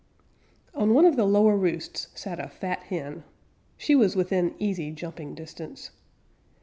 On one of the lower roosts sat a fat hen. She was within easy jumping distance.